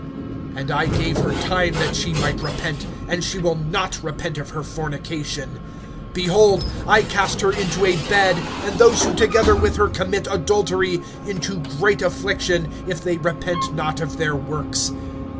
(21)And I gave her time that she might repent; and she will not repent of her fornication. (22)Behold, I cast her into a bed, and those who together with her commit adultery, into great affliction, if they repent not of their works[2:22].